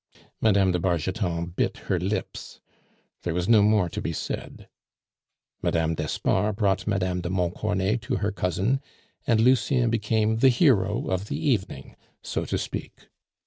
Mme. de Bargeton bit her lips. There was no more to be said. Mme. d'Espard brought Mme. de Montcornet to her cousin, and Lucien became the hero of the evening, so to speak.